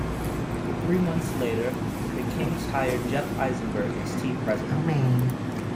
Three months later, the Kings hired Jeff Eisenberg as team president.